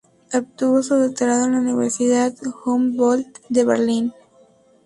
Obtuvo su doctorado en la Universidad Humboldt de Berlín.